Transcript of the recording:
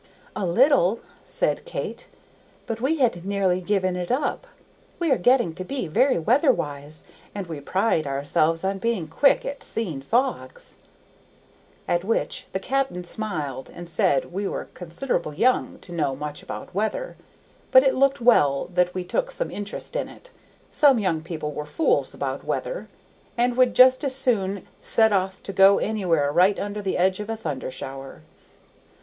"A little," said Kate, "but we had nearly given it up. We are getting to be very weather wise, and we pride ourselves on being quick at seeing fogs." At which the cap'n smiled and said we were consider'ble young to know much about weather, but it looked well that we took some interest in it; most young people were fools about weather, and would just as soon set off to go anywhere right under the edge of a thunder shower.